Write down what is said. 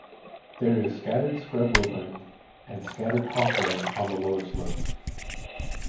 There is scattered scrub woodland and scattered hawthorn on the lower slopes.